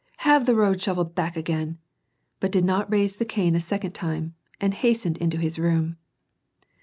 have the road shovelled back again," but did not raise the cane a second time, and hastened into his room.